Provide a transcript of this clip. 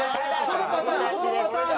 そのパターン？